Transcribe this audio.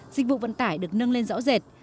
dịch vụ vận tải được nâng lên rõ rệt